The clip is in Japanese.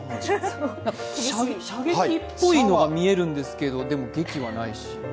射撃っぽいのが見えるんですけどでも「撃」はないし。